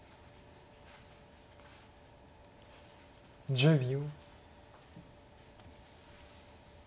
１０秒。